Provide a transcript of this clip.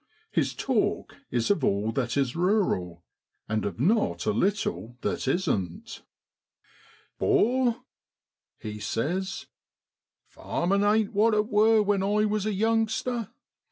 His talk is of all that is rural, and of not a little that isn't. ' 'Bor,' he says, ' farmin' ain't what it wor when I was a youngster.